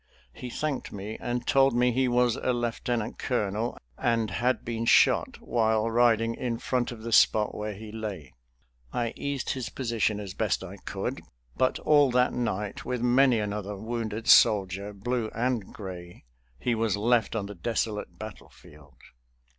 He thanked me and told me he was a lieutenant colonel, and had been shot while riding in front of the spot where he lay. I eased his position as best I could, but all that night, with many another wounded soldier, blue and gray, he was left on the desolate battlefield.